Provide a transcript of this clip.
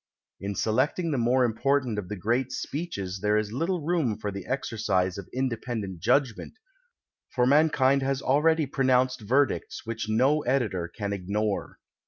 In selecting the more important of the great speeches there is little room for the exercise of PREFACE indepejulor.t jiidgnient, for mankind has already pronounced verdicts which no editor can ignore.